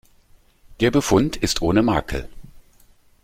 Der Befund ist ohne Makel.